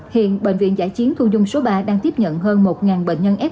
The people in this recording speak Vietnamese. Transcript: hiện bệnh viện giã chiến thu dung số ba đang tiếp nhận hơn một bệnh nhân f